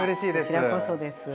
こちらこそです。